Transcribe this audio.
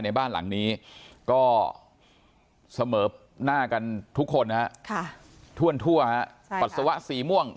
ในบ้านหลังนี้ก็เสมอหน้ากันทุกคนทั่วฮะปัสสาวะสีม่วง